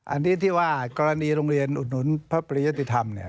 อันนี้ที่ว่ากรณีโรงเรียนอุดหนุนพระปริยติธรรมเนี่ย